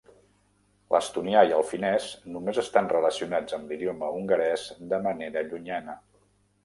L'estonià i el finès només estan relacionats amb l'idioma hongarès de manera llunyana.